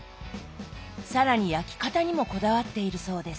更に焼き方にもこだわっているそうです。